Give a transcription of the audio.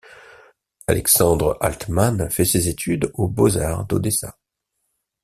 Alexandre Altmann fait ses études aux Beaux-Arts d’Odessa.